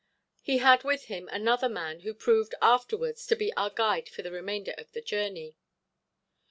He had with him another man who proved, afterwards, to be our guide for the remainder of the journey.